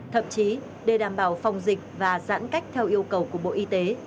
thậm chí để đảm bảo phòng dịch và giãn cách theo yêu cầu của bộ y tế